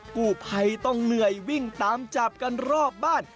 กู้ภัยต้องเหนื่อยวิ่งตามจับกันรอบบ้าน